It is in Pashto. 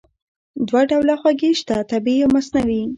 دوه ډوله خوږې شته: طبیعي او مصنوعي.